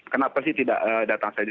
kenapa sih tidak datang saja